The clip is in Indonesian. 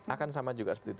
akan sama juga seperti itu